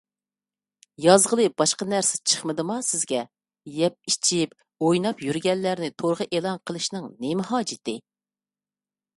يازغىلى باشقا نەرسە چىقمىدىما سىزگە؟ يەپ-ئىچىپ ئويناپ يۈرگەنلەرنى تورغا ئېلان قىلىشنىڭ نېمە ھاجىتى؟